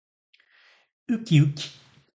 うきうき